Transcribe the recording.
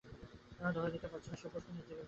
কেন ধরা দিতে পারছে না সে প্রশ্ন ও যে নিজেকেও করে।